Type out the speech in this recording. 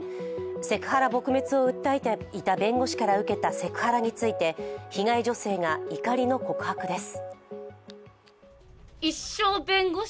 セクハラ撲滅を訴えていた弁護士から受けたセクハラについて被害女性が怒りの告白です